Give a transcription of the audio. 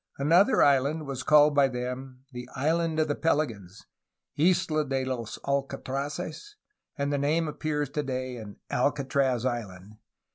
Another island was called by them the "Island of the Pelicans" {Isla de los Alcatraces), and the name appears today in "Alcatraz Island."